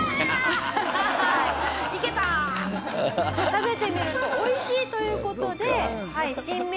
食べてみると美味しいという事で。